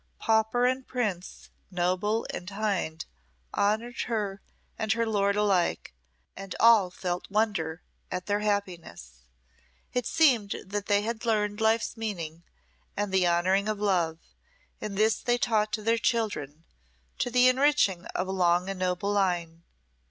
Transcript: Pauper and prince, noble and hind honoured her and her lord alike, and all felt wonder at their happiness. It seemed that they had learned life's meaning and the honouring of love, and this they taught to their children, to the enriching of a long and noble line.